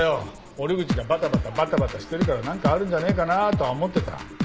折口がバタバタバタバタしてるから何かあるんじゃねえかなとは思ってた。